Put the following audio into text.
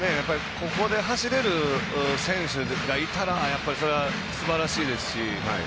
ここで走れる選手がいたらやっぱり、すばらしいですし。